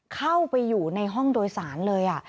เข้าไปอยู่ในห้องโดยสารเลย